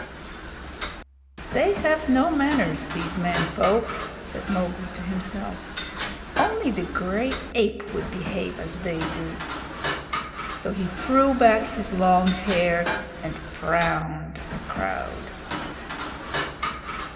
"They have no manners, these Men Folk," said Mowgli to himself. "Only the gray ape would behave as they do." So he threw back his long hair and frowned at the crowd.